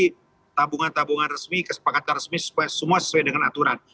jadi tabungan tabungan resmi kesepakatan resmi semua sesuai dengan aturan